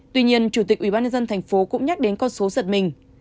tuy nhiên chủ tịch ubnd thành phố cũng nhắc đến con số giật mình